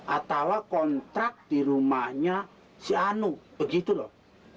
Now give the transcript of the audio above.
atau kontrak di rumahnya si anu begitu lho